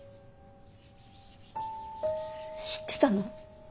知ってたの？